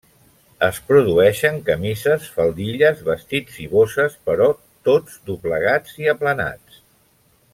Es produeixen camises, faldilles, vestits i bosses, però tots doblegats i aplanats.